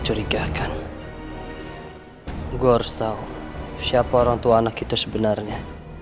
gue harus tau siapa orang tua anak kita sebenarnya